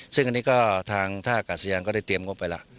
ซึ่งอันนี้ก็ทางท่ากาศยานก็ได้เตรียมงบไปล่ะ